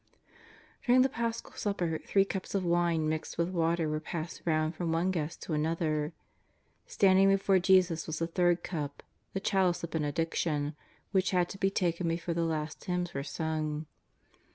During the Paschal supper three cups of mne mixed with water were passed round from one guest to another. Standing before Jesus was the third cup, " the chalice of benediction," which had to be taken before the last hymns were sung.